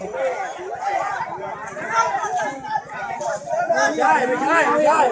ซึ่งประกอบได้สรุปเสียง